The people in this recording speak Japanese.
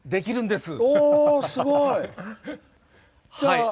すごい！